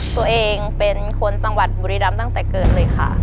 ตัวเองเป็นคนจังหวัดบุรีรำตั้งแต่เกิดเลยค่ะ